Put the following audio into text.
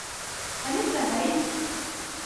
هل إنتهيت؟